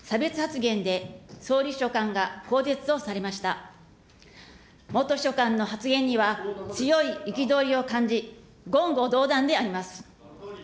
元秘書官の発言には強い憤りを感じ、言語道断であります。